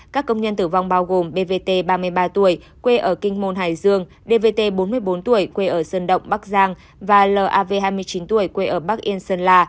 các công nhân tử vong bao gồm bvt ba mươi ba tuổi quê ở kinh môn hải dương dvt bốn mươi bốn tuổi quê ở sơn động bắc giang và lav hai mươi chín tuổi quê ở bắc yên sơn la